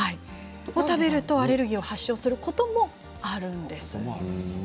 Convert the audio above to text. これを食べるとアレルギーを発症することもあるんです。